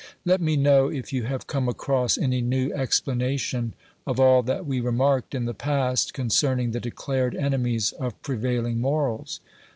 Let me know if you have come across any new explana tion of all that we remarked in the past concerning the declared enemies of prevailing morals.